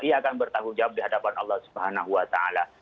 ia akan bertanggung jawab dihadapan allah subhanahu wa ta'ala